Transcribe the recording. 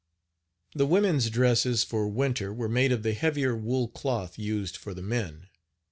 The women's dresses for winter were made of the heavier wool cloth used for the men.